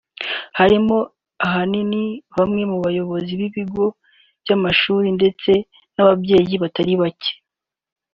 harimo ahanini bamwe mu bayobozi b’ibigo by’amashuri ndetse n’ababyeyi batari bake